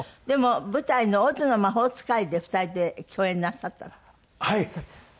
でも舞台の『オズの魔法使い』で２人で共演なさった。